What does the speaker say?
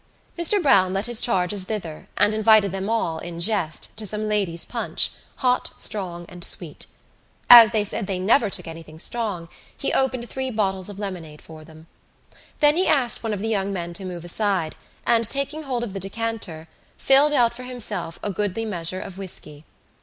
Mr Browne led his charges thither and invited them all, in jest, to some ladies' punch, hot, strong and sweet. As they said they never took anything strong he opened three bottles of lemonade for them. Then he asked one of the young men to move aside, and, taking hold of the decanter, filled out for himself a goodly measure of whisky.